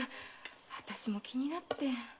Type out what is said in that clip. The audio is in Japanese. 私も気になって。